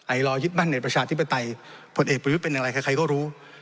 ไอลอร์ยิทธิ์บ้านเนื้อประชาติธิปไตยผลเอกประยุทธิ์เป็นอะไรใครก็รู้